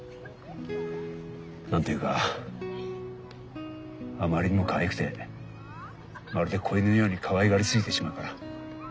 何て言うかあまりにもかわいくてまるで子犬のようにかわいがりすぎてしまうから。